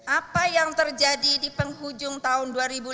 apa yang terjadi di penghujung tahun dua ribu enam belas